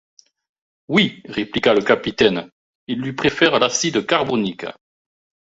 Oui ! répliqua le capitaine, ils lui préfèrent l’acide carbonique.